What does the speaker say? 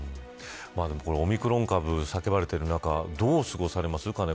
オミクロン株、叫ばれている中金子さんはどう過ごされますか。